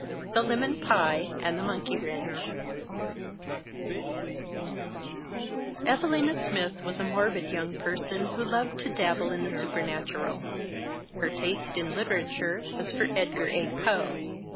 XI The Lemon Pie and the Monkey Wrench Evalina Smith was a morbid young person who loved to dabble in the supernatural. Her taste in literature was for Edgar A. Poe.